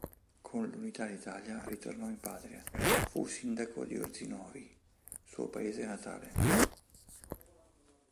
Con l'Unità d'Italia ritornò in patria; fu sindaco di Orzinuovi, suo paese natale.